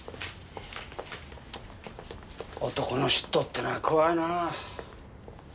男の嫉妬ってのは怖いなあ。